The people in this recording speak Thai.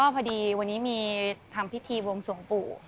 พอดีวันนี้มีทำพิธีวงสวงปู่